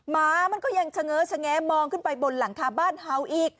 หมามันก็ยังเฉง้อชะแงะมองขึ้นไปบนหลังคาบ้านเห่าอีก